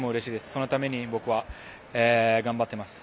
そのために僕は頑張ってます。